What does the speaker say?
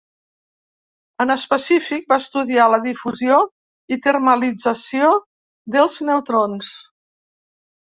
En específic, van estudiar la difusió i termalització dels neutrons.